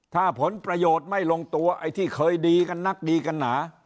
ถ้าผลประโยชน์ไม่ลงตัวไอ้ที่เคยดีกันนักดีกันหนา